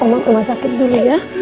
mama sakit dulu ya